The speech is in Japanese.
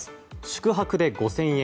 宿泊で５０００円